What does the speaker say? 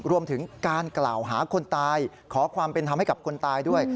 รวมถึงการกล่าวหาคนตายขอความเป็นธรรมให้กับคนตายด้วย